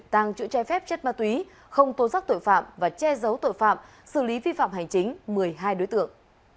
tàng trữ chai phép chất ma túy không tố giác tội phạm và che giấu tội phạm xử lý vi phạm hành chính một mươi hai đối tượng